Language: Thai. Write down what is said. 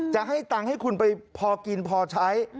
จะให้ตังค์ให้คุณไปพอกินพอใช้